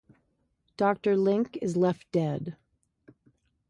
Doctor Link is left dead.